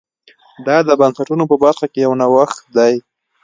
دا د بنسټونو په برخه کې یو نوښت دی